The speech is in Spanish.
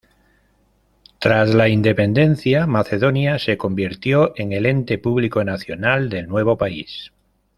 Tras la independencia macedonia se convirtió en el ente público nacional del nuevo país.